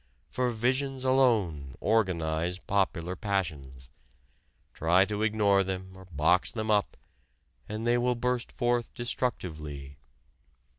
For visions alone organize popular passions. Try to ignore them or box them up, and they will burst forth destructively.